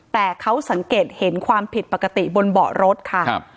แต่เขาสังเกตเห็นความผิดปกติบนเบาะรถค่ะครับ